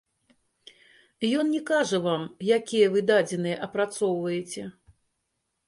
Ён не кажа вам, якія вы дадзеныя апрацоўваеце.